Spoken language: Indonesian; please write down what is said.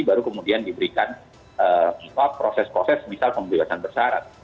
baru kemudian diberikan proses proses misal pembebasan bersyarat